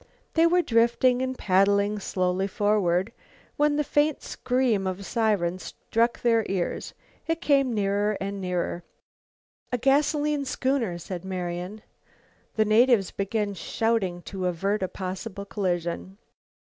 They were drifting and paddling slowly forward, when the faint scream of a siren struck their ears. It came nearer and nearer. "A gasoline schooner," said Marian. The natives began shouting to avert a possible collision.